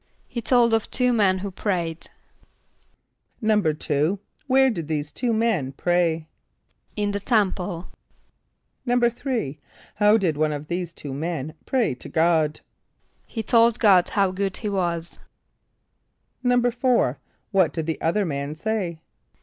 =He told of two men who prayed.= =2.= Where did these two men pray? =In the temple.= =3.= How did one of these two men pray to God? =He told God how good he was.= =4.= What did the other man say?